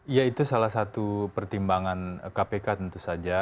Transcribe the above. ya itu salah satu pertimbangan kpk tentu saja